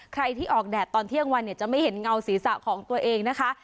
ใครที่ออกแดดตอนเที่ยงวันเนี่ยจะไม่เห็นเงาศีรษะของตัวเองนะคะ